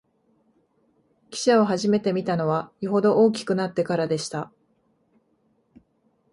汽車をはじめて見たのは、よほど大きくなってからでした